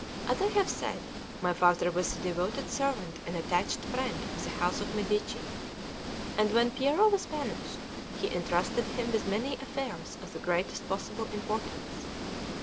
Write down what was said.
VI AS I have said, my father was the devoted servant and attached friend of the house of Medici; and when Piero was banished, he entrusted him with many affairs of the greatest possible importance.